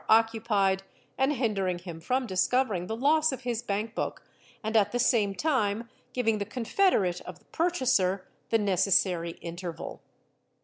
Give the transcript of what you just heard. occupied and hindering him from discovering the loss of his bank book and at the same time giving jhe confederate of the '' purchaser" the necessary interval.